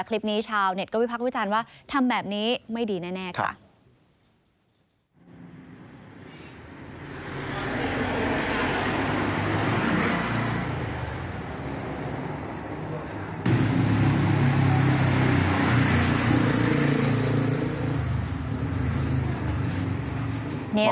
คลิปนี้ชาวเน็ตก็วิพักษ์วิจารณ์ว่าทำแบบนี้ไม่ดีแน่ค่ะ